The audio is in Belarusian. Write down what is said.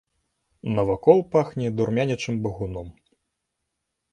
Навакол пахне дурманячым багуном.